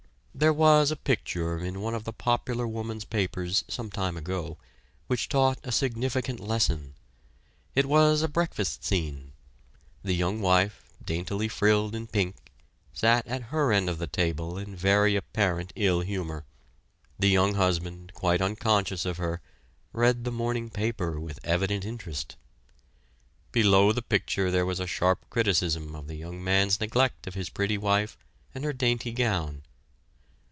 There was a picture in one of the popular woman's papers sometime ago, which taught a significant lesson. It was a breakfast scene. The young wife, daintily frilled in pink, sat at her end of the table in very apparent ill humor the young husband, quite unconscious of her, read the morning paper with evident interest. Below the picture there was a sharp criticism of the young man's neglect of his pretty wife and her dainty gown.